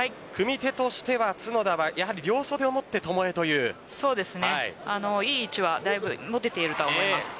組み手としては角田は両袖を持って巴いい位置はだいぶ持てていると思います。